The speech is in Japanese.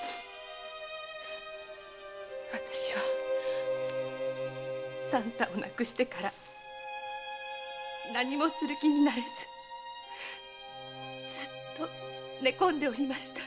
私は三太を亡くしてから何もする気になれずずっと寝込んでおりました。